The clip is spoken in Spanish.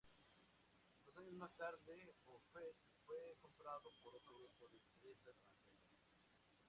Dos años más tarde Buffet fue comprado por otro grupo de empresas francesas.